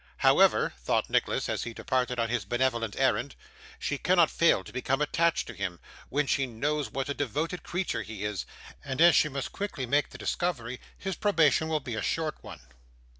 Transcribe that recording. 'However,' thought Nicholas as he departed on his benevolent errand; 'she cannot fail to become attached to him, when she knows what a devoted creature he is, and as she must quickly make the discovery, his probation will be a short one.